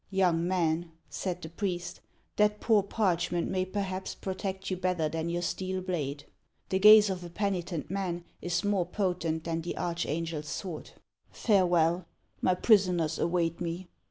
"Young man," said the priest, "that poor parchment 182 HANS OF ICELAND. may perhaps protect you better than your steel blade. The gaze of a penitent man is more potent than the arch angel's sword. Farewell ! My prisoners await me.